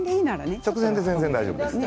直前で大丈夫です。